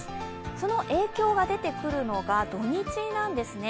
その影響が出てくるのが土日なんですね。